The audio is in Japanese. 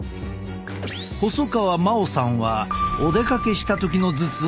細川真央さんはお出かけした時の頭痛が悩み。